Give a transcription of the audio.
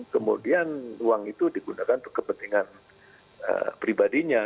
kemudian uang itu digunakan untuk kepentingan pribadinya